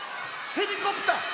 ヘリコプターじゃ！